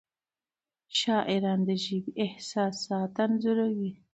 شاعران د ژبې احساسات انځوروي.